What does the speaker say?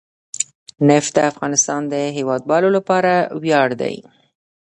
نفت د افغانستان د هیوادوالو لپاره ویاړ دی.